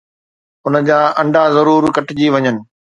ان جا انڊا ضرور ڪٽجي وڃن.